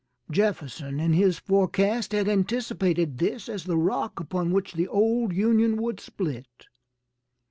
Jefferson in his forecast had anticipated this as the rock upon which the old Union would split.